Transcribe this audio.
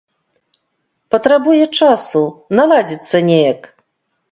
Патрабуе часу, наладзіцца неяк.